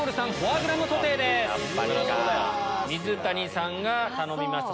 水谷さんが頼みました。